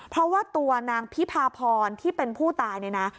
เพราะว่าตัวนางพิพาพรที่เป็นผู้ตายเนี่ยนะ